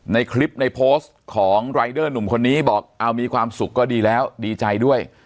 ในคลิปในโพสต์ของรายเดอร์หนุ่มคนนี้บอกเอามีความสุขก็ดีแล้วดีใจด้วย